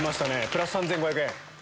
プラス３５００円。